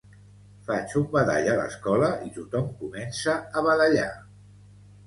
Faig un badall a l'escola i tothom comença a badallar